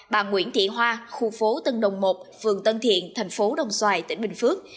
bà nguyễn thị hoa khu phố tân đồng một phường tân thiện thành phố đồng xoài tỉnh bình phước